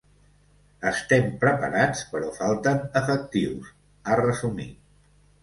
Estem preparats però falten efectius, ha resumit.